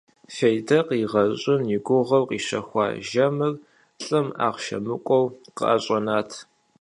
Фейдэ къригъэщӀын и гугъэу къищэхуа жэмыр лӀым ахъшэ мыкӀуэу къыӀэщӀэнат.